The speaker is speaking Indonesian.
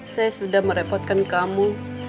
saya sudah merepotkan kamu